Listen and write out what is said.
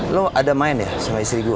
lo ada main ya sama istri gue